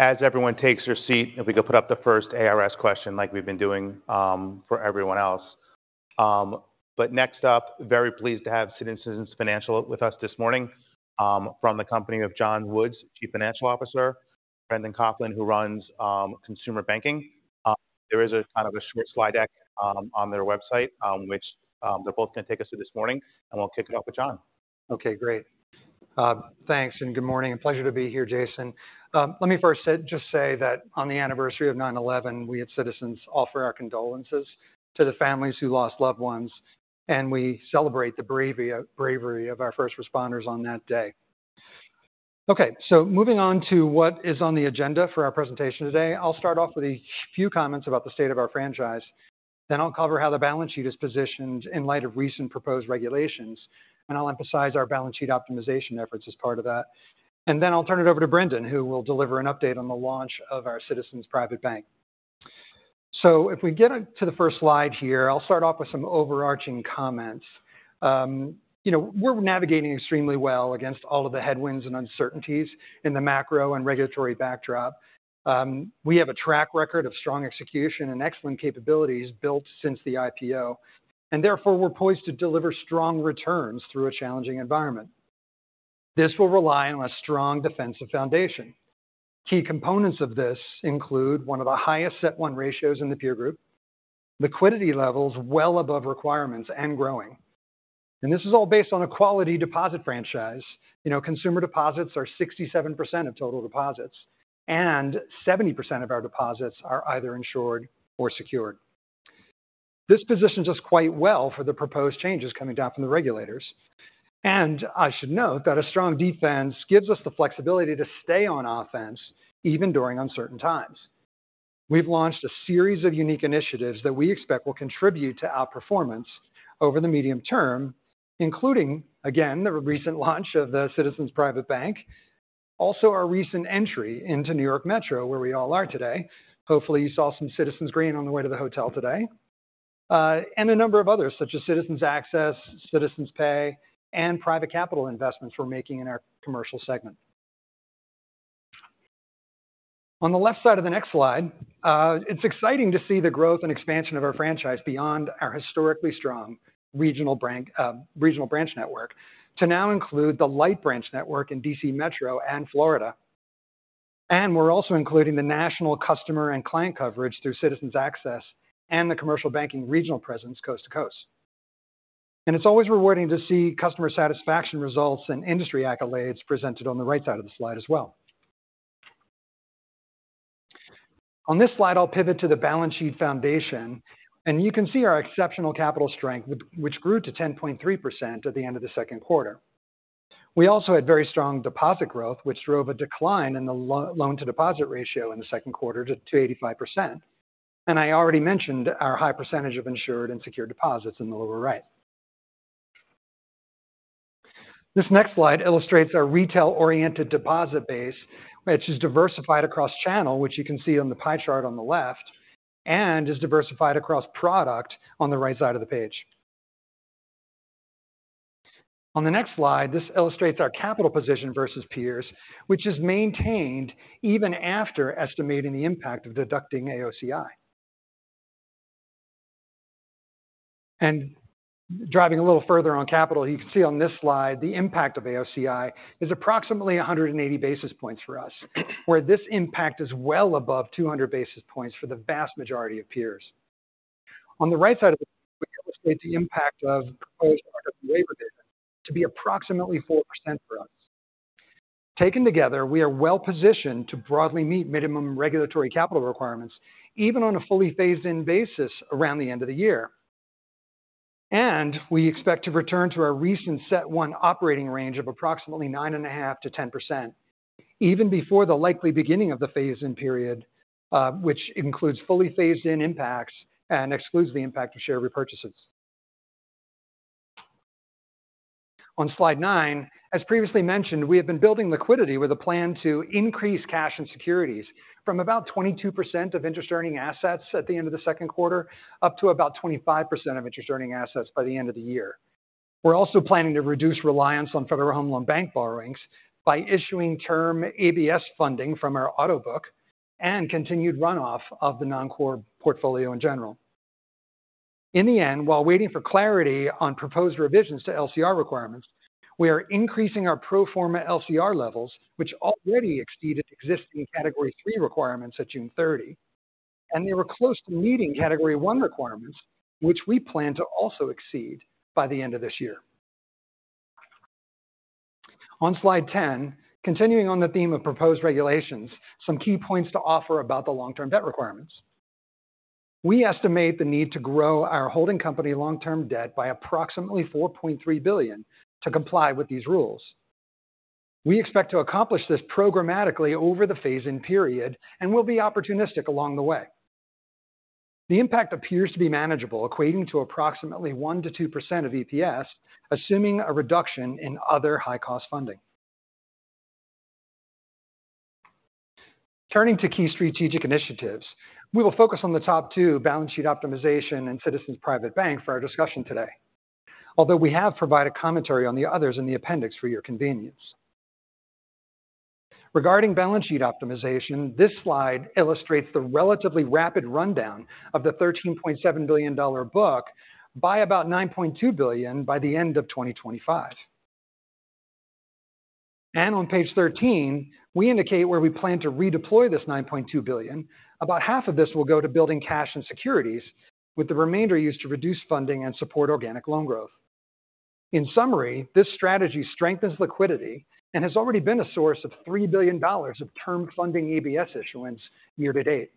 As everyone takes their seat, if we could put up the first ARS question like we've been doing, for everyone else. But next up, very pleased to have Citizens Financial with us this morning, from the company of John Woods, Chief Financial Officer, Brendan Coughlin, who runs, consumer banking. There is a kind of a short slide deck, on their website, which, they're both going to take us through this morning, and we'll kick it off with John. Okay, great. Thanks, and good morning, and pleasure to be here, Jason. Let me first say—just say that on the anniversary of 9/11, we at Citizens offer our condolences to the families who lost loved ones, and we celebrate the bravery of our first responders on that day. Okay, so moving on to what is on the agenda for our presentation today. I'll start off with a few comments about the state of our franchise. Then I'll cover how the balance sheet is positioned in light of recent proposed regulations, and I'll emphasize our balance sheet optimization efforts as part of that. And then I'll turn it over to Brendan, who will deliver an update on the launch of our Citizens Private Bank. So if we get on to the first slide here, I'll start off with some overarching comments. You know, we're navigating extremely well against all of the headwinds and uncertainties in the macro and regulatory backdrop. We have a track record of strong execution and excellent capabilities built since the IPO, and therefore, we're poised to deliver strong returns through a challenging environment. This will rely on a strong defensive foundation. Key components of this include one of the highest Category One ratios in the peer group, liquidity levels well above requirements and growing. This is all based on a quality deposit franchise. You know, consumer deposits are 67% of total deposits, and 70% of our deposits are either insured or secured. This positions us quite well for the proposed changes coming down from the regulators, and I should note that a strong defense gives us the flexibility to stay on offense even during uncertain times. We've launched a series of unique initiatives that we expect will contribute to our performance over the medium term, including, again, the recent launch of the Citizens Private Bank. Also, our recent entry into New York Metro, where we all are today. Hopefully, you saw some Citizens green on the way to the hotel today. And a number of others, such as Citizens Access, Citizens Pay, and private capital investments we're making in our commercial segment. On the left side of the next slide, it's exciting to see the growth and expansion of our franchise beyond our historically strong regional branch network, to now include the light branch network in DC Metro and Florida. We're also including the national customer and client coverage through Citizens Access and the commercial banking regional presence, coast to coast. It's always rewarding to see customer satisfaction results and industry accolades presented on the right side of the slide as well. On this slide, I'll pivot to the balance sheet foundation, and you can see our exceptional capital strength, which grew to 10.3% at the end of the second quarter. We also had very strong deposit growth, which drove a decline in the loan to deposit ratio in the second quarter to 85%. And I already mentioned our high percentage of insured and secured deposits in the lower right. This next slide illustrates our retail-oriented deposit base, which is diversified across channel, which you can see on the pie chart on the left, and is diversified across product on the right side of the page. On the next slide, this illustrates our capital position versus peers, which is maintained even after estimating the impact of deducting AOCI. Driving a little further on capital, you can see on this slide the impact of AOCI is approximately 100 basis points for us, where this impact is well above 200 basis points for the vast majority of peers. On the right side of the slide, we illustrate the impact of proposed waiver data to be approximately 4% for us. Taken together, we are well positioned to broadly meet minimum regulatory capital requirements, even on a fully phased-in basis around the end of the year. We expect to return to our recent CET1 operating range of approximately 9.5%-10%, even before the likely beginning of the phase-in period, which includes fully phased-in impacts and excludes the impact of share repurchases. On slide nine, as previously mentioned, we have been building liquidity with a plan to increase cash and securities from about 22% of interest-earning assets at the end of the second quarter, up to about 25% of interest-earning assets by the end of the year. We're also planning to reduce reliance on Federal Home Loan Bank borrowings by issuing term ABS funding from our auto book and continued runoff of the non-core portfolio in general. In the end, while waiting for clarity on proposed revisions to LCR requirements, we are increasing our pro forma LCR levels, which already exceeded existing Category Three requirements at June 30, and they were close to meeting Category One requirements, which we plan to also exceed by the end of this year. On slide ten, continuing on the theme of proposed regulations, some key points to offer about the long-term debt requirements. We estimate the need to grow our holding company long-term debt by approximately $4.3 billion to comply with these rules. We expect to accomplish this programmatically over the phase-in period and will be opportunistic along the way. The impact appears to be manageable, equating to approximately 1%-2% of EPS, assuming a reduction in other high-cost funding. Turning to key strategic initiatives, we will focus on the top two, balance sheet optimization and Citizens Private Bank, for our discussion today. Although we have provided commentary on the others in the appendix for your convenience. Regarding balance sheet optimization, this slide illustrates the relatively rapid rundown of the $13.7 billion book by about $9.2 billion by the end of 2025. And on page 13, we indicate where we plan to redeploy this $9.2 billion. About half of this will go to building cash and securities, with the remainder used to reduce funding and support organic loan growth. In summary, this strategy strengthens liquidity and has already been a source of $3 billion of term funding ABS issuance year to date.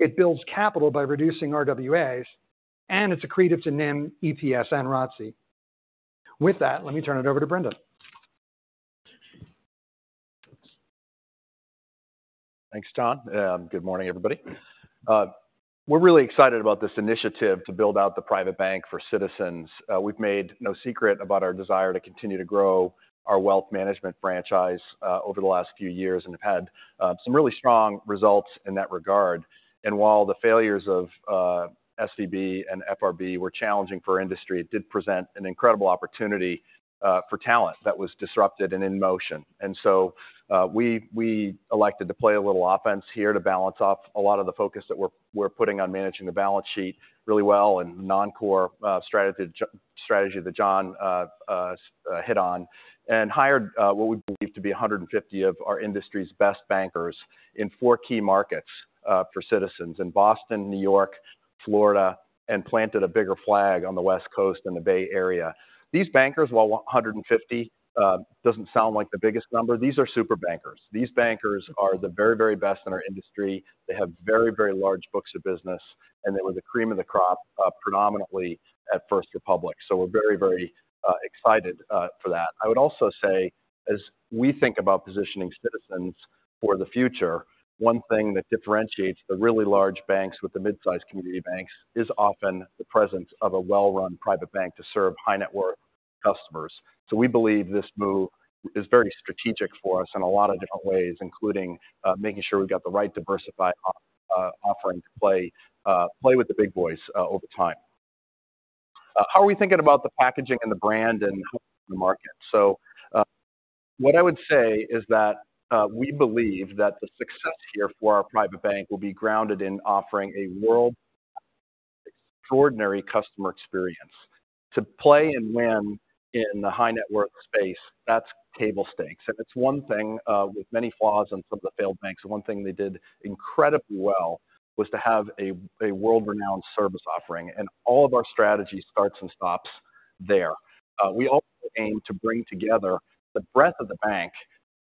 It builds capital by reducing RWAs, and it's accretive to NIM, EPS, and ROTCE. With that, let me turn it over to Brendan. Thanks, John. Good morning, everybody. We're really excited about this initiative to build out the private bank for Citizens. We've made no secret about our desire to continue to grow our wealth management franchise over the last few years and have had some really strong results in that regard. While the failures of SVB and FRB were challenging for industry, it did present an incredible opportunity for talent that was disrupted and in motion. So, we elected to play a little offense here to balance off a lot of the focus that we're putting on managing the balance sheet really well and non-core strategy that John hit on. Hired what we believe to be 150 of our industry's best bankers in four key markets for Citizens: in Boston, New York, Florida, and planted a bigger flag on the West Coast in the Bay Area. These bankers, while 150, doesn't sound like the biggest number, these are super bankers. These bankers are the very, very best in our industry. They have very, very large books of business, and they were the cream of the crop, predominantly at First Republic. So we're very, very excited for that. I would also say, as we think about positioning Citizens for the future, one thing that differentiates the really large banks with the mid-sized community banks is often the presence of a well-run private bank to serve high-net-worth customers. So we believe this move is very strategic for us in a lot of different ways, including making sure we've got the right diversified offering to play with the big boys over time. How are we thinking about the packaging and the brand, and how in the market? So what I would say is that we believe that the success here for our private bank will be grounded in offering a world-class, extraordinary customer experience. To play and win in the high-net-worth space, that's table stakes. And it's one thing with many flaws on some of the failed banks, and one thing they did incredibly well was to have a world-renowned service offering, and all of our strategy starts and stops there. We also aim to bring together the breadth of the bank,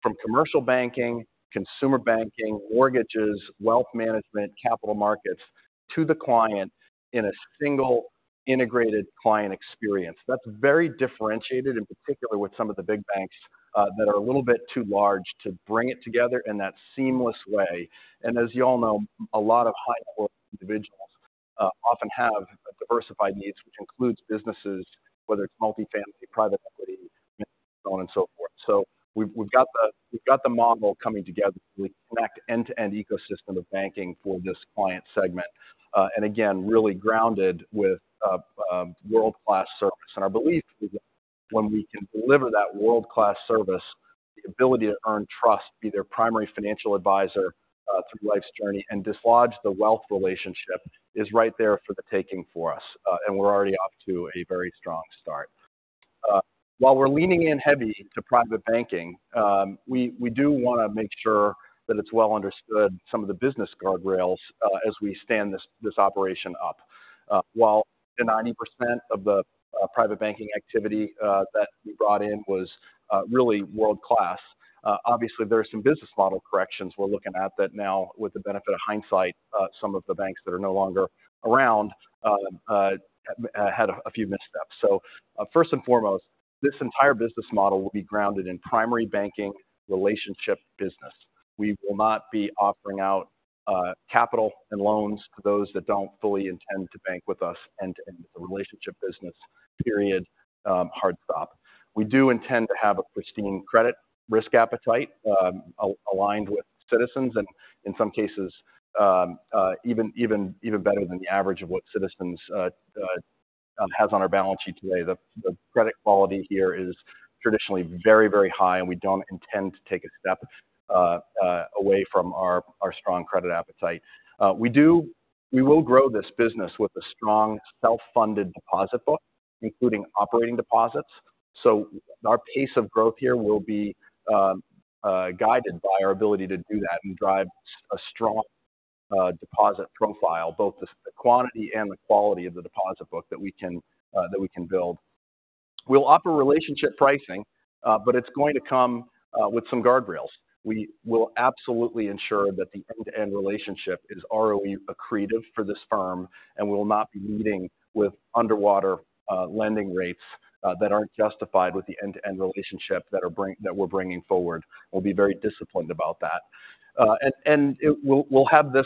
from commercial banking, consumer banking, mortgages, wealth management, capital markets, to the client in a single integrated client experience. That's very differentiated, in particular, with some of the big banks that are a little bit too large to bring it together in that seamless way. And as you all know, a lot of high-net-worth individuals often have diversified needs, which includes businesses, whether it's multifamily, private equity, so on and so forth. So we've got the model coming together to connect end-to-end ecosystem of banking for this client segment. And again, really grounded with a world-class service. Our belief is that when we can deliver that world-class service, the ability to earn trust, be their primary financial advisor, through life's journey and dislodge the wealth relationship, is right there for the taking for us. We're already off to a very strong start. While we're leaning in heavy to private banking, we do want to make sure that it's well understood some of the business guardrails, as we stand this operation up. While the 90% of the private banking activity that we brought in was really world-class, obviously, there are some business model corrections we're looking at that now with the benefit of hindsight, some of the banks that are no longer around had a few missteps. First and foremost, this entire business model will be grounded in primary banking relationship business. We will not be offering out, capital and loans to those that don't fully intend to bank with us, end-to-end relationship business, period, hard stop. We do intend to have a pristine credit risk appetite, aligned with Citizens, and in some cases, even better than the average of what Citizens has on our balance sheet today. The credit quality here is traditionally very, very high, and we don't intend to take a step away from our strong credit appetite. We will grow this business with a strong self-funded deposit book, including operating deposits. So our pace of growth here will be guided by our ability to do that and drive a strong deposit profile, both the quantity and the quality of the deposit book that we can that we can build. We'll offer relationship pricing, but it's going to come with some guardrails. We will absolutely ensure that the end-to-end relationship is ROE accretive for this firm, and we will not be leading with underwater lending rates that aren't justified with the end-to-end relationship that we're bringing forward. We'll be very disciplined about that. We'll have this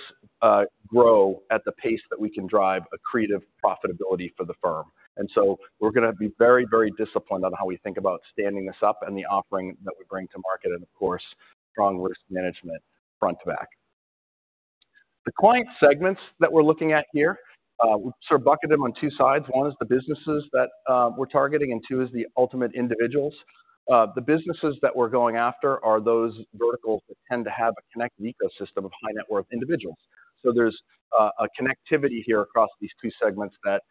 grow at the pace that we can drive accretive profitability for the firm. And so we're going to be very, very disciplined on how we think about standing this up and the offering that we bring to market, and of course, strong risk management front to back... The client segments that we're looking at here, we sort of bucket them on two sides. One is the businesses that we're targeting, and two is the ultimate individuals. The businesses that we're going after are those verticals that tend to have a connected ecosystem of high-net-worth individuals. So there's a connectivity here across these two segments that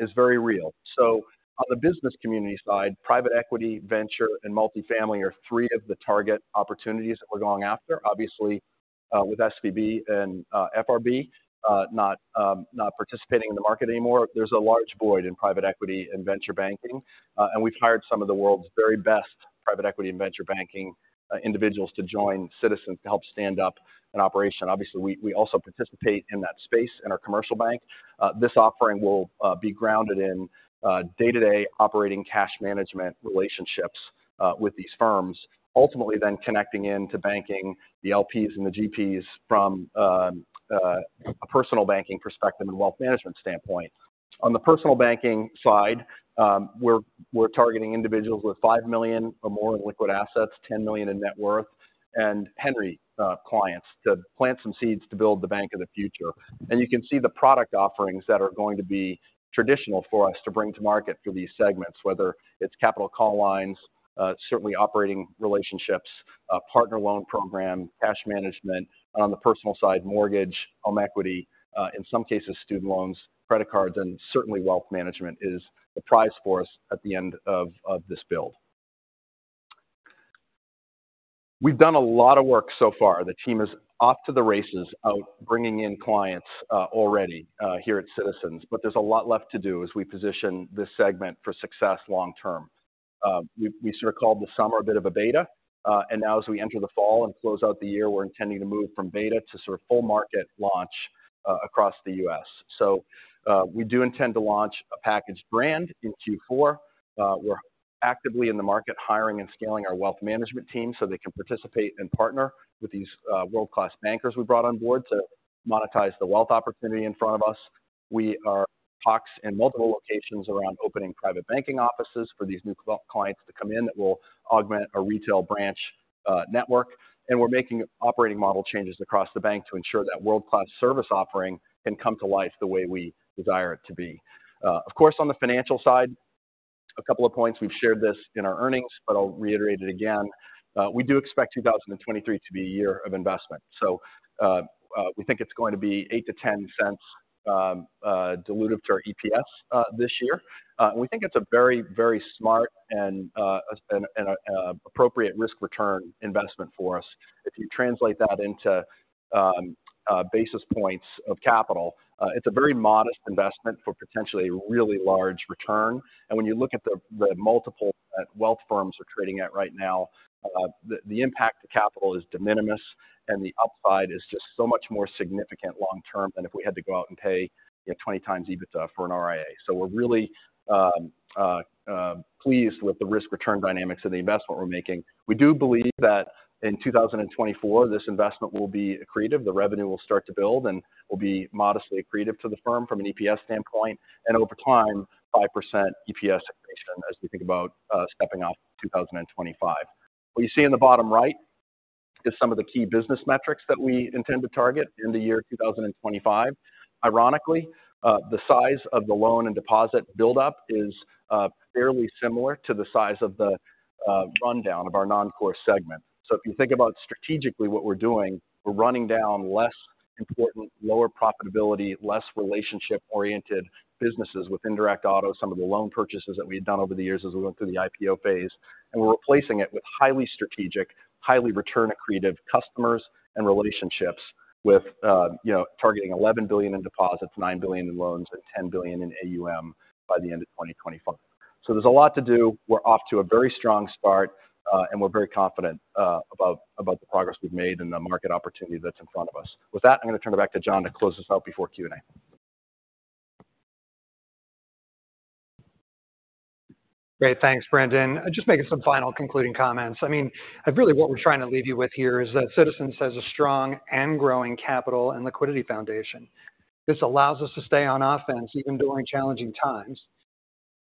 is very real. So on the business community side, private equity, venture, and multifamily are three of the target opportunities that we're going after. Obviously, with SVB and FRB not participating in the market anymore, there's a large void in private equity and venture banking. We've hired some of the world's very best private equity and venture banking individuals to join Citizens to help stand up an operation. Obviously, we also participate in that space in our commercial bank. This offering will be grounded in day-to-day operating cash management relationships with these firms, ultimately then connecting into banking the LPs and the GPs from a personal banking perspective and wealth management standpoint. On the personal banking side, we're targeting individuals with $5 million or more in liquid assets, $10 million in net worth, and HENRY clients, to plant some seeds to build the bank of the future. And you can see the product offerings that are going to be traditional for us to bring to market for these segments, whether it's capital call lines, certainly operating relationships, partner loan program, cash management. On the personal side, mortgage, home equity, in some cases, student loans, credit cards, and certainly wealth management is the prize for us at the end of this build. We've done a lot of work so far. The team is off to the races out bringing in clients, already, here at Citizens, but there's a lot left to do as we position this segment for success long term. We sort of called the summer a bit of a beta, and now as we enter the fall and close out the year, we're intending to move from beta to sort of full market launch across the U.S. So, we do intend to launch a packaged brand in Q4. We're actively in the market hiring and scaling our wealth management team so they can participate and partner with these world-class bankers we brought on board to monetize the wealth opportunity in front of us. We are in talks in multiple locations around opening private banking offices for these new clients to come in, that will augment our retail branch network. We're making operating model changes across the bank to ensure that world-class service offering can come to life the way we desire it to be. Of course, on the financial side, a couple of points. We've shared this in our earnings, but I'll reiterate it again. We do expect 2023 to be a year of investment. We think it's going to be $0.08-$0.10 dilutive to our EPS this year. And we think it's a very, very smart and appropriate risk-return investment for us. If you translate that into basis points of capital, it's a very modest investment for potentially a really large return. And when you look at the multiple that wealth firms are trading at right now, the impact to capital is de minimis, and the upside is just so much more significant long term than if we had to go out and pay, you know, 20x EBITDA for an RIA. So we're really pleased with the risk-return dynamics of the investment we're making. We do believe that in 2024, this investment will be accretive, the revenue will start to build and will be modestly accretive to the firm from an EPS standpoint, and over time, 5% EPS accretion as we think about stepping out to 2025. What you see in the bottom right is some of the key business metrics that we intend to target in the year 2025. Ironically, the size of the loan and deposit buildup is fairly similar to the size of the rundown of our non-core segment. So if you think about strategically what we're doing, we're running down less important, lower profitability, less relationship-oriented businesses with indirect auto, some of the loan purchases that we had done over the years as we went through the IPO phase, and we're replacing it with highly strategic, highly return accretive customers and relationships with, you know, targeting $11 billion in deposits, $9 billion in loans, and $10 billion in AUM by the end of 2025. So there's a lot to do. We're off to a very strong start, and we're very confident, about, about the progress we've made and the market opportunity that's in front of us. With that, I'm going to turn it back to John to close us out before Q&A. Great. Thanks, Brendan. Just making some final concluding comments. I mean, really, what we're trying to leave you with here is that Citizens has a strong and growing capital and liquidity foundation. This allows us to stay on offense even during challenging times.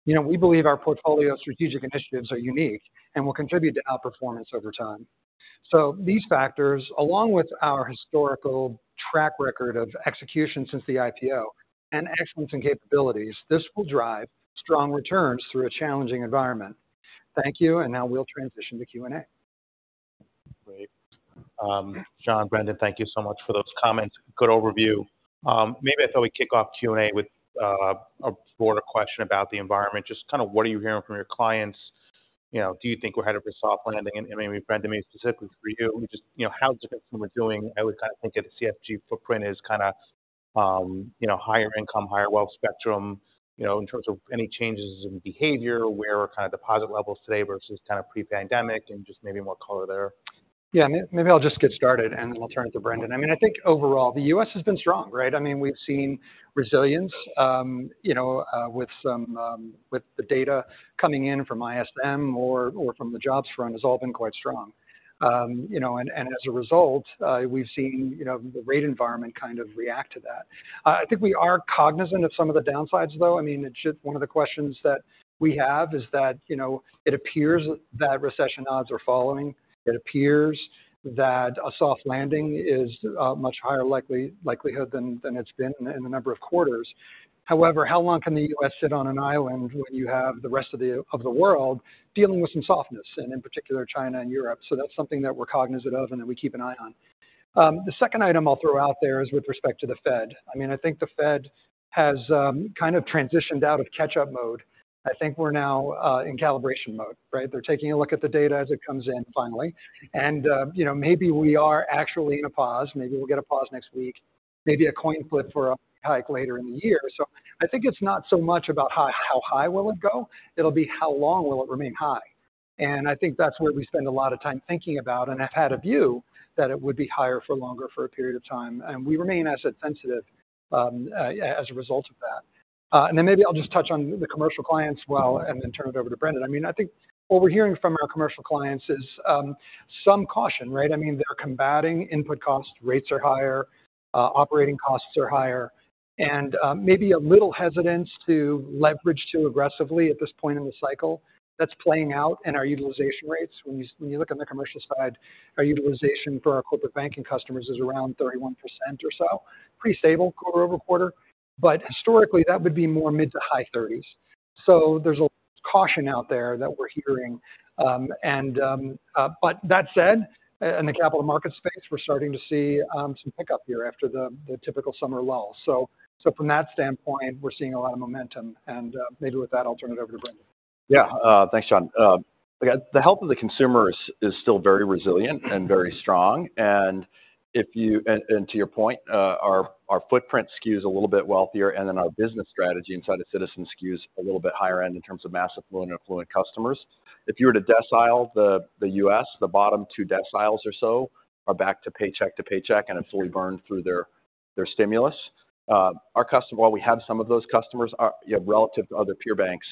You know, we believe our portfolio of strategic initiatives are unique and will contribute to outperformance over time. So these factors, along with our historical track record of execution since the IPO and excellence in capabilities, this will drive strong returns through a challenging environment. Thank you, and now we'll transition to Q&A. Great. John, Brendan, thank you so much for those comments. Good overview. Maybe I thought we'd kick off Q&A with a broader question about the environment. Just kind of what are you hearing from your clients? You know, do you think we're headed for a soft landing? And maybe, Brendan, maybe specifically for you, just, you know, how different are we doing? I would kind of think of the CFG footprint as kind of, you know, higher income, higher wealth spectrum, you know, in terms of any changes in behavior, where are kind of deposit levels today versus kind of pre-pandemic, and just maybe more color there. Yeah, maybe I'll just get started, and then I'll turn it to Brendan. I mean, I think overall, the U.S. has been strong, right? I mean, we've seen resilience, you know, with some, with the data coming in from ISM or from the jobs front, has all been quite strong. You know, and as a result, we've seen, you know, the rate environment kind of react to that.... I think we are cognizant of some of the downsides, though. I mean, one of the questions that we have is that, you know, it appears that recession odds are following. It appears that a soft landing is much higher likely, likelihood than it's been in a number of quarters. However, how long can the U.S. sit on an island when you have the rest of the world dealing with some softness, and in particular, China and Europe? So that's something that we're cognizant of and that we keep an eye on. The second item I'll throw out there is with respect to the Fed. I mean, I think the Fed has kind of transitioned out of catch-up mode. I think we're now in calibration mode, right? They're taking a look at the data as it comes in, finally. And you know, maybe we are actually in a pause. Maybe we'll get a pause next week, maybe a coin flip for a hike later in the year. So I think it's not so much about how high will it go? It'll be, how long will it remain high? I think that's where we spend a lot of time thinking about, and have had a view that it would be higher for longer for a period of time, and we remain asset sensitive, as a result of that. And then maybe I'll just touch on the commercial clients, well, and then turn it over to Brendan. I mean, I think what we're hearing from our commercial clients is some caution, right? I mean, they're combating input costs, rates are higher, operating costs are higher, and maybe a little hesitance to leverage too aggressively at this point in the cycle. That's playing out in our utilization rates. When you, when you look on the commercial side, our utilization for our corporate banking customers is around 31% or so, pretty stable quarter-over-quarter. But historically, that would be more mid- to high 30s. So there's a caution out there that we're hearing. But that said, in the capital markets space, we're starting to see some pickup here after the typical summer lull. So from that standpoint, we're seeing a lot of momentum, and maybe with that, I'll turn it over to Brendan. Yeah, thanks, John. Again, the health of the consumer is still very resilient and very strong. And to your point, our footprint skews a little bit wealthier, and then our business strategy inside of Citizens skews a little bit higher end in terms of mass affluent, affluent customers. If you were to decile the U.S., the bottom two deciles or so are back to paycheck to paycheck and have fully burned through their stimulus. Our customer, while we have some of those customers, are, yeah, relative to other peer banks,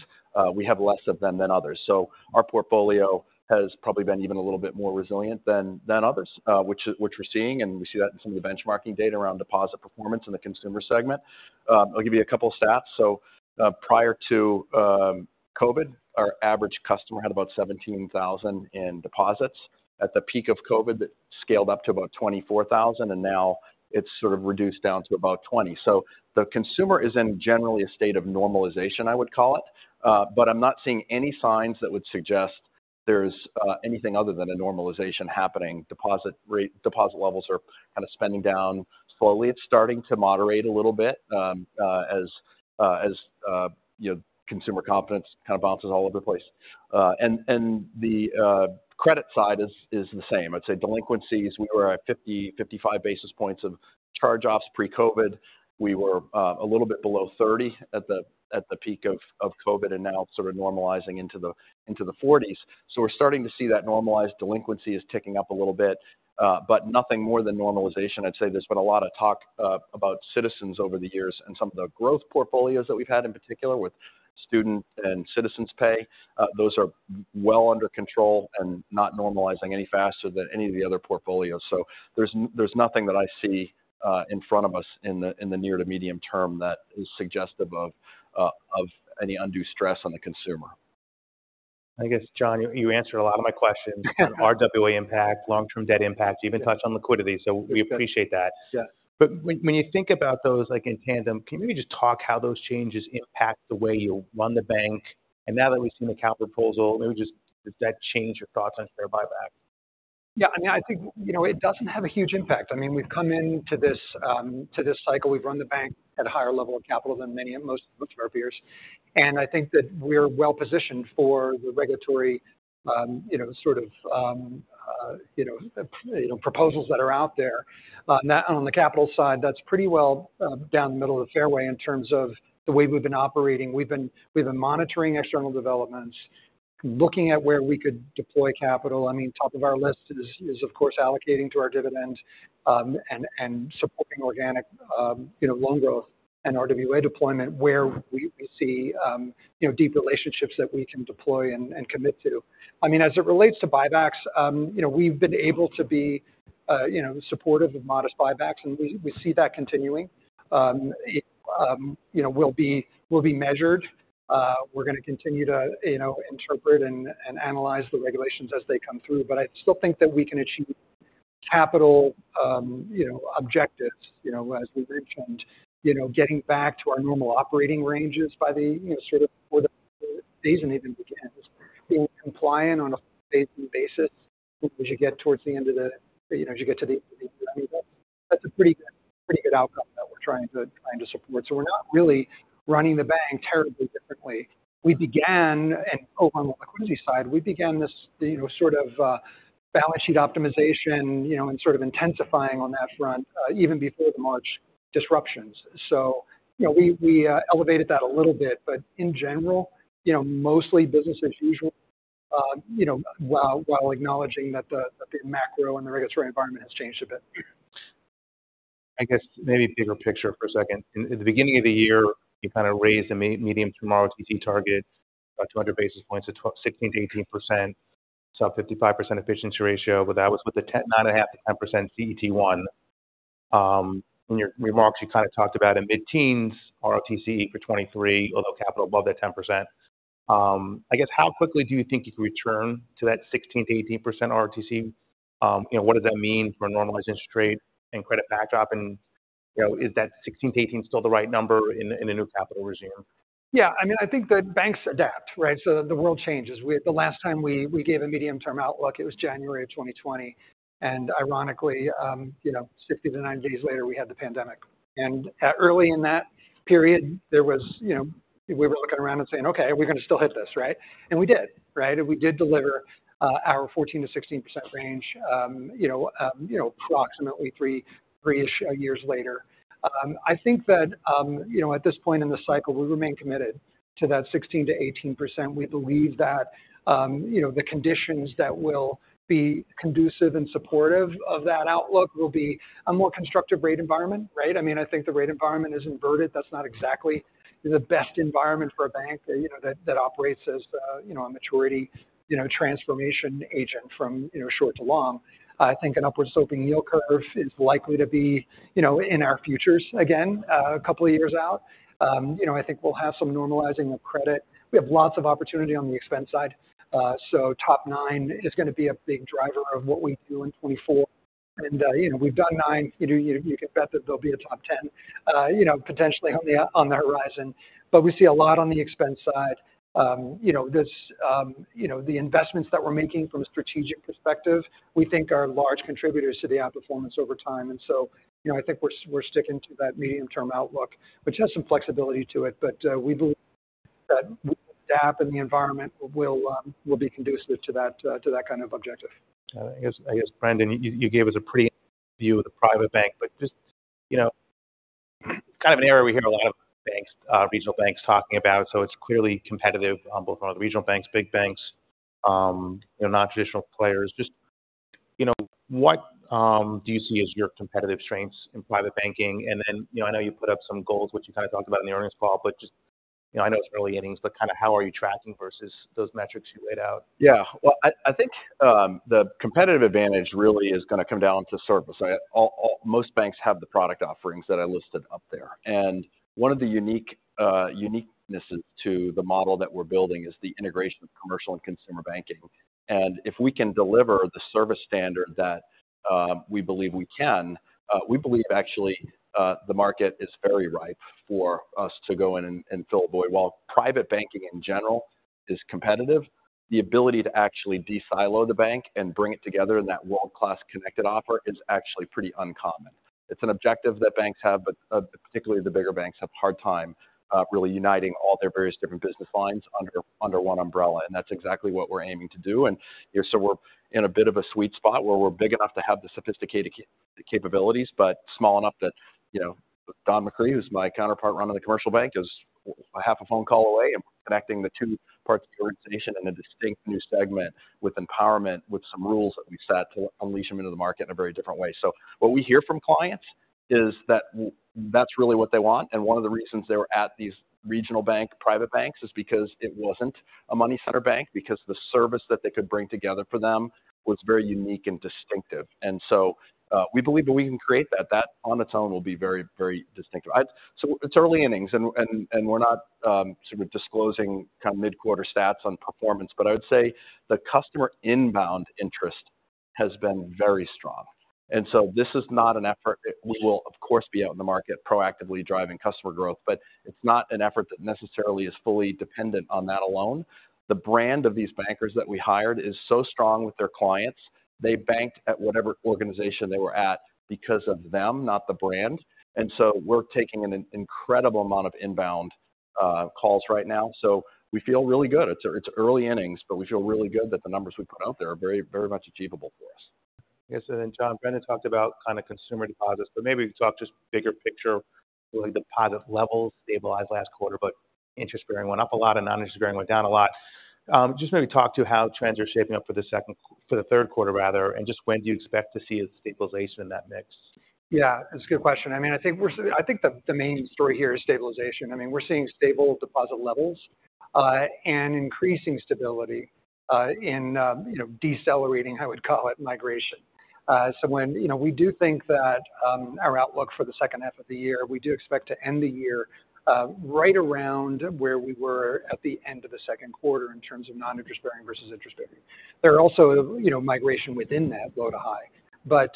we have less of them than others. So our portfolio has probably been even a little bit more resilient than others, which we're seeing, and we see that in some of the benchmarking data around deposit performance in the consumer segment. I'll give you a couple of stats. So, prior to COVID, our average customer had about $17,000 in deposits. At the peak of COVID, that scaled up to about $24,000, and now it's sort of reduced down to about $20,000. So the consumer is in generally a state of normalization, I would call it. But I'm not seeing any signs that would suggest there's anything other than a normalization happening. Deposit levels are kind of spending down slowly. It's starting to moderate a little bit, as you know, consumer confidence kind of bounces all over the place. And the credit side is the same. I'd say delinquencies, we were at 50-55 basis points of charge-offs pre-COVID. We were a little bit below 30 at the peak of COVID, and now sort of normalizing into the 40s. So we're starting to see that normalized delinquency is ticking up a little bit, but nothing more than normalization. I'd say there's been a lot of talk about Citizens over the years and some of the growth portfolios that we've had, in particular, with student and Citizens Pay. Those are well under control and not normalizing any faster than any of the other portfolios. So there's nothing that I see in front of us in the near to medium term that is suggestive of any undue stress on the consumer. I guess, John, you answered a lot of my questions. RWA impact, long-term debt impacts, even touched on liquidity, so we appreciate that. Yeah. But when you think about those, like, in tandem, can you maybe just talk how those changes impact the way you run the bank? And now that we've seen the capital proposal, maybe just does that change your thoughts on share buyback? Yeah, I mean, I think, you know, it doesn't have a huge impact. I mean, we've come into this, to this cycle. We've run the bank at a higher level of capital than many and most, most of our peers. And I think that we're well positioned for the regulatory, you know, sort of, you know, you know, proposals that are out there. Now, on the capital side, that's pretty well, down the middle of the fairway in terms of the way we've been operating. We've been, we've been monitoring external developments, looking at where we could deploy capital. I mean, top of our list is, is, of course, allocating to our dividend, and, and supporting organic, you know, loan growth and RWA deployment, where we, we see, you know, deep relationships that we can deploy and, and commit to. I mean, as it relates to buybacks, you know, we've been able to be, you know, supportive of modest buybacks, and we, we see that continuing. It, you know, will be, will be measured. We're going to continue to, you know, interpret and, and analyze the regulations as they come through, but I still think that we can achieve capital, you know, objectives, you know, as we mentioned, you know, getting back to our normal operating ranges by the, you know, sort of before the season even begins. Being compliant on a basis as you get towards the end of the, you know, as you get to the- I mean, that's a pretty, pretty good outcome that we're trying to, trying to support. So we're not really running the bank terribly differently. We began, and over on the liquidity side, we began this, you know, sort of, balance sheet optimization, you know, and sort of intensifying on that front, even before the March disruptions. So, you know, we, we, elevated that a little bit, but in general, you know, mostly business as usual, you know, while, while acknowledging that the, the macro and the regulatory environment has changed a bit. I guess maybe bigger picture for a second. In the beginning of the year, you kind of raised the medium-term ROTCE target by 200 basis points to 16%-18%.... so 55% efficiency ratio, but that was with the 10, 9.5%-10% CET1. In your remarks, you kind of talked about a mid-teens ROTCE for 2023, although capital above that 10%. I guess, how quickly do you think you can return to that 16%-18% ROTCE? You know, what does that mean for a normalized interest rate and credit backdrop? And, you know, is that 16%-18% still the right number in a new capital regime? Yeah, I mean, I think the banks adapt, right? So the world changes. We, the last time we gave a medium-term outlook, it was January of 2020. And ironically, you know, 60-90 days later, we had the pandemic. And early in that period, there was, you know, we were looking around and saying: "Okay, are we going to still hit this, right?" And we did, right? We did deliver our 14%-16% range, you know, approximately 3-ish years later. I think that, you know, at this point in the cycle, we remain committed to that 16%-18%. We believe that, you know, the conditions that will be conducive and supportive of that outlook will be a more constructive rate environment, right? I mean, I think the rate environment is inverted. That's not exactly the best environment for a bank that, you know, operates as a, you know, a maturity, you know, transformation agent from, you know, short to long. I think an upward-sloping yield curve is likely to be, you know, in our futures again, a couple of years out. You know, I think we'll have some normalizing of credit. We have lots of opportunity on the expense side. So TOP 9 is going to be a big driver of what we do in 2024. And, you know, we've done nine. You can bet that there'll be a TOP 10, you know, potentially on the horizon. But we see a lot on the expense side. You know, this, you know, the investments that we're making from a strategic perspective, we think are large contributors to the outperformance over time. And so, you know, I think we're sticking to that medium-term outlook, which has some flexibility to it. But, we believe that we adapt, and the environment will be conducive to that kind of objective. I guess, Brendan, you gave us a pretty view of the private bank, but just, you know, kind of an area we hear a lot of banks, regional banks talking about. So it's clearly competitive on both on the regional banks, big banks, you know, nontraditional players. Just, you know, what do you see as your competitive strengths in private banking? And, you know, I know you put up some goals, which you kind of talked about in the earnings call, but just, you know, I know it's early innings, but kind of how are you tracking versus those metrics you laid out? Yeah, well, I think the competitive advantage really is going to come down to service. So almost all banks have the product offerings that I listed up there. And one of the unique uniquenesses to the model that we're building is the integration of commercial and consumer banking. And if we can deliver the service standard that we believe we can, we believe actually the market is very ripe for us to go in and fill a void. While private banking, in general, is competitive, the ability to actually de-silo the bank and bring it together in that world-class connected offer is actually pretty uncommon. It's an objective that banks have, but particularly the bigger banks have a hard time really uniting all their various different business lines under one umbrella, and that's exactly what we're aiming to do. And so we're in a bit of a sweet spot where we're big enough to have the sophisticated capabilities, but small enough that, you know, Don McCree, who's my counterpart running the commercial bank, is half a phone call away and connecting the two parts of the organization in a distinct new segment with empowerment, with some rules that we've set to unleash them into the market in a very different way. So what we hear from clients is that that's really what they want, and one of the reasons they were at these regional bank, private banks, is because it wasn't a money center bank, because the service that they could bring together for them was very unique and distinctive. So, we believe that we can create that. That on its own will be very, very distinctive. I'd so it's early innings, and we're not sort of disclosing kind of mid-quarter stats on performance, but I would say the customer inbound interest has been very strong. And so this is not an effort. We will, of course, be out in the market proactively driving customer growth, but it's not an effort that necessarily is fully dependent on that alone. The brand of these bankers that we hired is so strong with their clients. They banked at whatever organization they were at because of them, not the brand. And so we're taking an incredible amount of inbound calls right now, so we feel really good. It's early innings, but we feel really good that the numbers we put out there are very, very much achievable for us. Yes, and then, John, Brendan talked about kind of consumer deposits, but maybe talk just bigger picture. Really, the deposit levels stabilized last quarter, but interest-bearing went up a lot and non-interest-bearing went down a lot. Just maybe talk to how trends are shaping up for the second qu—for the third quarter, rather, and just when do you expect to see a stabilization in that mix? Yeah, that's a good question. I mean, I think the main story here is stabilization. I mean, we're seeing stable deposit levels and increasing stability in, you know, decelerating, I would call it, migration. So when... You know, we do think that our outlook for the second half of the year, we do expect to end the year right around where we were at the end of the second quarter in terms of non-interest bearing versus interest bearing. There are also, you know, migration within that low to high. But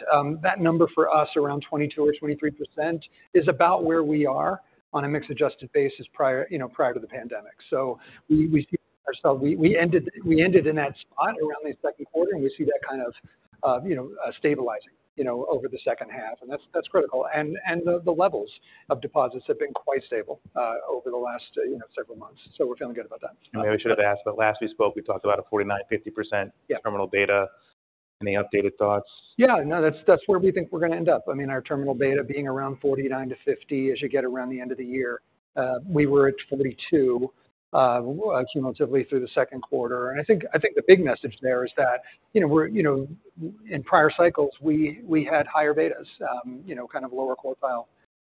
that number for us, around 22% or 23%, is about where we are on a mix-adjusted basis prior, you know, prior to the pandemic. So we see ourselves—we ended in that spot around the second quarter, and we see that kind of, you know, stabilizing, you know, over the second half, and that's critical. And the levels of deposits have been quite stable over the last, you know, several months, so we're feeling good about that. Maybe I should have asked, but last we spoke, we talked about a 49%-50%- Yeah... terminal beta. Any updated thoughts? Yeah. No, that's where we think we're going to end up. I mean, our terminal beta being around 49-50 as you get around the end of the year. We were at 42 cumulatively through the second quarter. And I think the big message there is that you know, in prior cycles, we had higher betas, you know, kind of lower quartile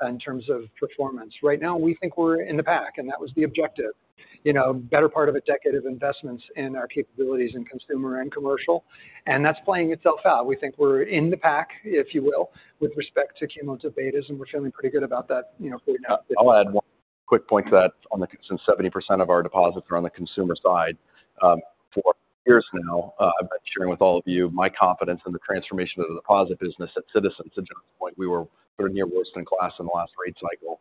in terms of performance. Right now, we think we're in the pack, and that was the objective. You know, better part of a decade of investments in our capabilities in consumer and commercial, and that's playing itself out. We think we're in the pack, if you will, with respect to cumulative betas, and we're feeling pretty good about that, you know, going out. I'll add one quick point to that. Since 70% of our deposits are on the consumer side, for years now, I've been sharing with all of you my confidence in the transformation of the deposit business at Citizens. To John's point, we were sort of near worst in class in the last rate cycle.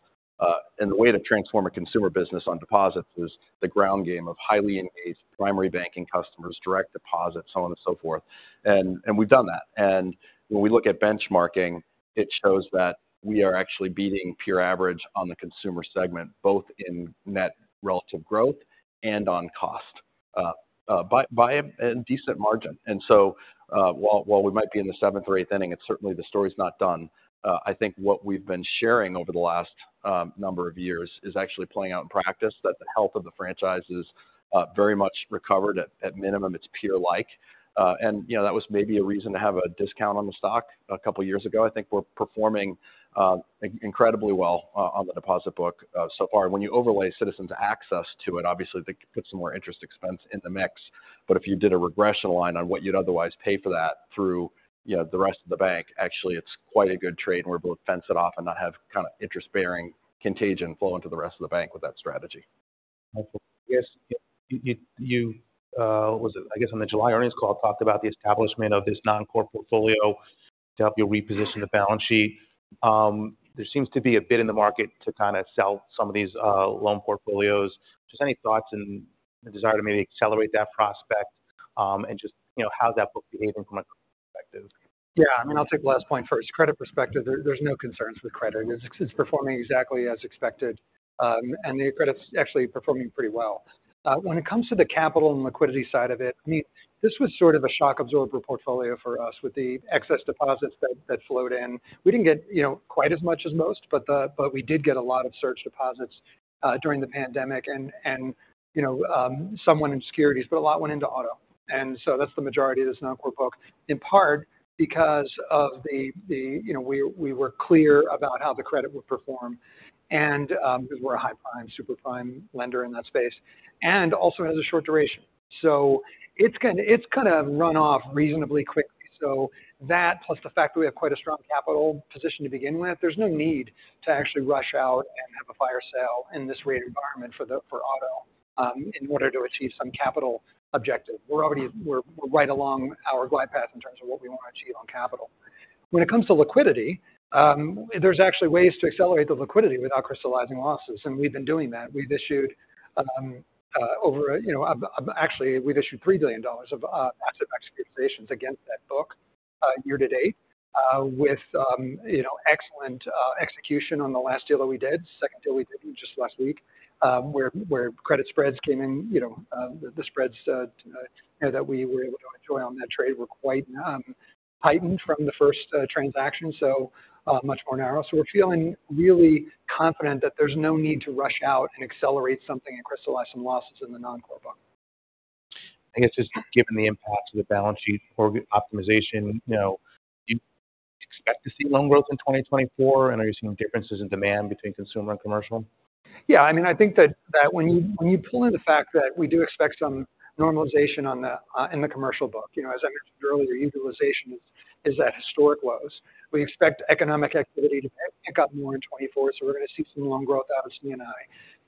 And the way to transform a consumer business on deposits is the ground game of highly engaged primary banking customers, direct deposits, so on and so forth. And we've done that. And when we look at benchmarking, it shows that we are actually beating peer average on the consumer segment, both in net relative growth and on cost, by a decent margin. And so, while we might be in the seventh or eighth inning, it's certainly the story's not done. I think what we've been sharing over the last number of years is actually playing out in practice, that the health of the franchise is very much recovered. At minimum, it's peer-like. And, you know, that was maybe a reason to have a discount on the stock a couple of years ago. I think we're performing incredibly well on the deposit book so far. When you overlay Citizens Access to it, obviously, they put some more interest expense in the mix. But if you did a regression line on what you'd otherwise pay for that through, you know, the rest of the bank, actually, it's quite a good trade, and we're both fenced it off and not have kind of interest-bearing contagion flow into the rest of the bank with that strategy. I guess, what was it? I guess on the July earnings call, talked about the establishment of this non-core portfolio to help you reposition the balance sheet. There seems to be a bid in the market to kind of sell some of these loan portfolios. Just any thoughts and the desire to maybe accelerate that prospect, and just, you know, how does that book behave from a perspective? Yeah, I mean, I'll take the last point first. Credit perspective, there, there's no concerns with credit. It's, it's performing exactly as expected, and the credit's actually performing pretty well. When it comes to the capital and liquidity side of it, I mean, this was sort of a shock absorber portfolio for us with the excess deposits that, that flowed in. We didn't get, you know, quite as much as most, but but we did get a lot of surge deposits, during the pandemic and, and, you know, some went in securities, but a lot went into auto. And so that's the majority of this non-core book, in part because of the, the you know, we, we were clear about how the credit would perform, and, because we're a high prime, super prime lender in that space, and also has a short duration. So it's kinda, it's kind of run off reasonably quickly. So that, plus the fact that we have quite a strong capital position to begin with, there's no need to actually rush out and have a fire sale in this rate environment for auto in order to achieve some capital objective. We're already. We're right along our glide path in terms of what we want to achieve on capital. When it comes to liquidity, there's actually ways to accelerate the liquidity without crystallizing losses, and we've been doing that. We've issued, you know, actually, we've issued $3 billion of asset securitizations against that book year to date, with you know, excellent execution on the last deal that we did. Second deal we did just last week, where credit spreads came in, you know, the spreads that we were able to enjoy on that trade were quite heightened from the first transaction, so much more narrow. So we're feeling really confident that there's no need to rush out and accelerate something and crystallize some losses in the non-core book. I guess, just given the impact of the balance sheet for optimization, you know, do you expect to see loan growth in 2024? And are you seeing differences in demand between consumer and commercial? Yeah, I mean, I think that when you pull in the fact that we do expect some normalization on the in the commercial book, you know, as I mentioned earlier, utilization is at historic lows. We expect economic activity to pick up more in 2024, so we're going to see some loan growth out of C&I.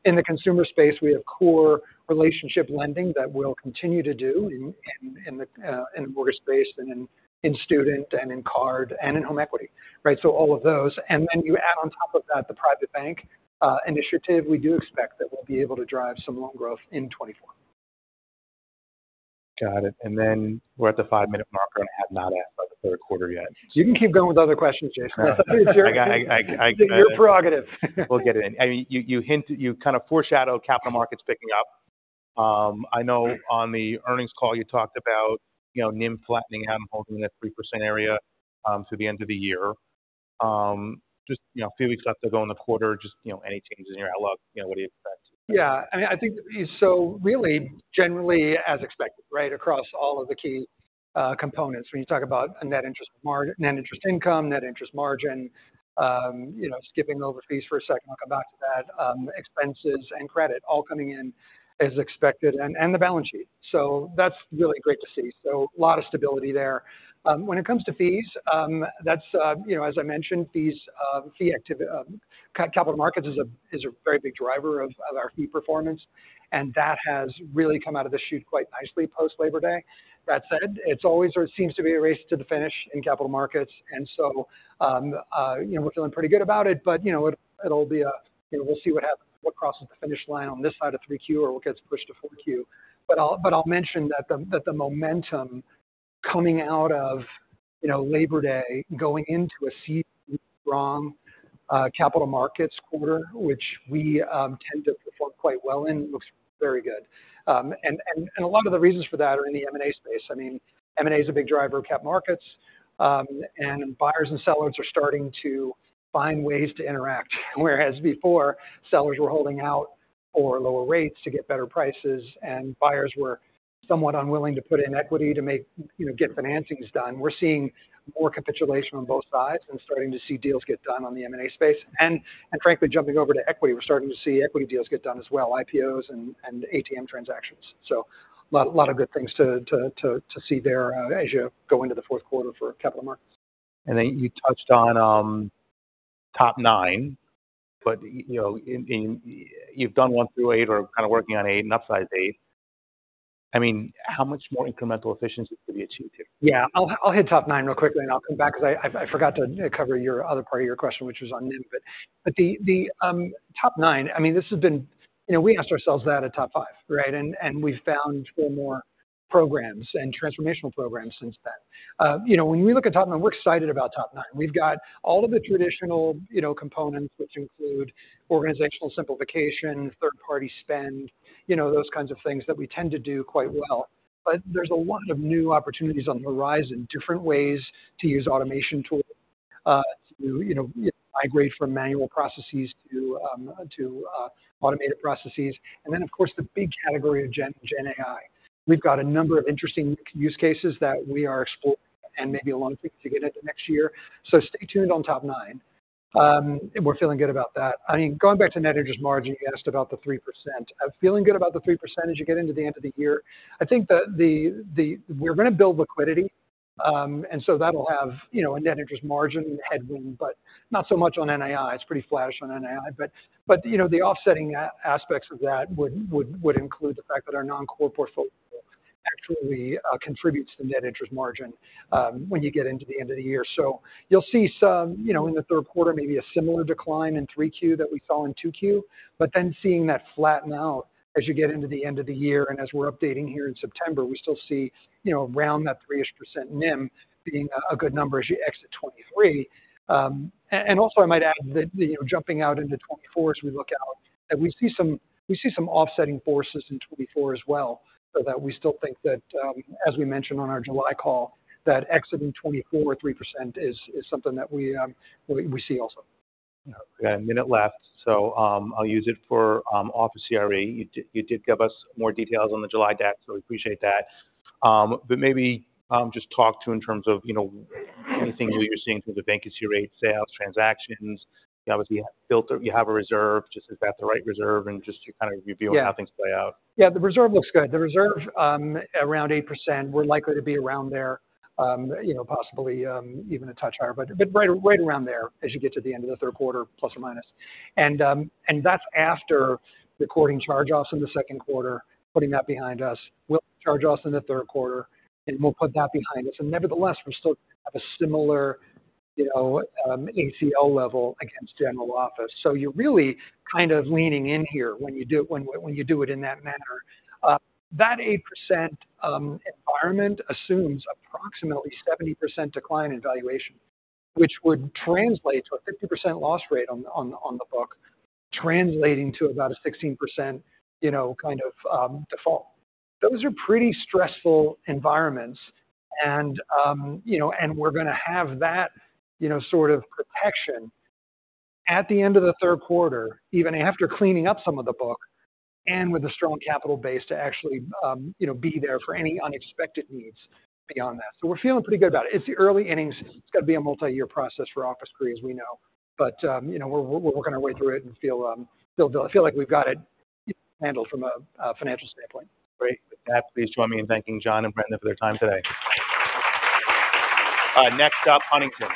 In the consumer space, we have core relationship lending that we'll continue to do in the mortgage space and in student and in card and in home equity, right? So all of those. And then you add on top of that the private bank initiative, we do expect that we'll be able to drive some loan growth in 2024. Got it. And then we're at the five-minute marker, and have not asked about the third quarter yet. You can keep going with other questions, Jason. I got Your prerogative. We'll get it in. I mean, you hint, you kind of foreshadow capital markets picking up. I know on the earnings call, you talked about, you know, NIM flattening out and holding in a 3% area, through the end of the year. Just, you know, a few weeks left to go in the quarter, just, you know, any changes in your outlook? You know, what do you expect? Yeah, I mean, I think so really, generally as expected, right, across all of the key components. When you talk about net interest income, net interest margin, you know, skipping over fees for a second, I'll come back to that, expenses and credit all coming in as expected, and the balance sheet. So that's really great to see. So a lot of stability there. When it comes to fees, that's, you know, as I mentioned, fees, fee activity, capital markets is a very big driver of our fee performance, and that has really come out of the shoot quite nicely post-Labor Day. That said, it's always sort of seems to be a race to the finish in capital markets, and so, you know, we're feeling pretty good about it, but, you know, it'll be a, you know, we'll see what happens, what crosses the finish line on this side of 3Q or what gets pushed to 4Q. But I'll mention that the momentum coming out of, you know, Labor Day, going into a seasonally strong, capital markets quarter, which we tend to perform quite well in, looks very good. And a lot of the reasons for that are in the M&A space. I mean, M&A is a big driver of cap markets, and buyers and sellers are starting to find ways to interact. Whereas before, sellers were holding out for lower rates to get better prices, and buyers were somewhat unwilling to put in equity to make, you know, get financings done. We're seeing more capitulation on both sides and starting to see deals get done on the M&A space. And frankly, jumping over to equity, we're starting to see equity deals get done as well, IPOs and ATM transactions. So a lot of good things to see there as you go into the fourth quarter for capital markets. And then you touched on, TOP 9 but, you know, in you've done one through eight or kind of working on eight and upside eight. I mean, how much more incremental efficiency could be achieved here? Yeah. I'll hit TOP 9 real quickly, and I'll come back because I forgot to cover your other part of your question, which was on NIM. But the TOP 9, I mean, this has been—you know, we asked ourselves that at TOP 5, right? And we've found four more programs and transformational programs since then. You know, when we look at TOP 9, we're excited about TOP 9. We've got all of the traditional, you know, components, which include organizational simplification, third-party spend, you know, those kinds of things that we tend to do quite well. But there's a lot of new opportunities on the horizon, different ways to use automation tools to, you know, migrate from manual processes to automated processes. And then, of course, the big category of Gen AI. We've got a number of interesting use cases that we are exploring and maybe wanting to get into next year. So stay tuned on TOP 9. And we're feeling good about that. I mean, going back to net interest margin, you asked about the 3%. I'm feeling good about the 3% as you get into the end of the year. I think we're going to build liquidity, and so that'll have, you know, a net interest margin headwind, but not so much on NII. It's pretty flatish on NII. But you know, the offsetting aspects of that would include the fact that our non-core portfolio actually contributes to net interest margin when you get into the end of the year. So you'll see some, you know, in the third quarter, maybe a similar decline in 3Q that we saw in 2Q, but then seeing that flatten out as you get into the end of the year. And as we're updating here in September, we still see, you know, around that 3%-ish NIM being a good number as you exit 2023. And also, I might add that, you know, jumping out into 2024 as we look out, we see some offsetting forces in 2024 as well, so that we still think that, as we mentioned on our July call, that exiting 2024, 3% is something that we see also. Yeah. A minute left, so I'll use it for office CRE. You did, you did give us more details on the July debt, so we appreciate that. But maybe just talk to in terms of, you know, anything new you're seeing through the vacancy rate, sales, transactions. Obviously, you built a - you have a reserve. Just is that the right reserve? And just to kind of review on how things play out. Yeah, the reserve looks good. The reserve, around 8%, we're likely to be around there, you know, possibly even a touch higher, but right around there as you get to the end of the third quarter ±. And that's after recording charge-offs in the second quarter, putting that behind us. We'll charge-offs in the third quarter, and we'll put that behind us. And nevertheless, we still have a similar, you know, ACL level against general office. So you're really kind of leaning in here when you do it in that manner. That 8% environment assumes approximately 70% decline in valuation, which would translate to a 50% loss rate on the book, translating to about a 16%, you know, kind of, default. Those are pretty stressful environments, and, you know, and we're going to have that, you know, sort of protection at the end of the third quarter, even after cleaning up some of the book and with a strong capital base to actually, you know, be there for any unexpected needs beyond that. So we're feeling pretty good about it. It's the early innings. It's going to be a multi-year process for office CRE, as we know. But, you know, we're working our way through it and feel like we've got it handled from a financial standpoint. Great. With that, please join me in thanking John and Brendan for their time today. Next up, Huntington.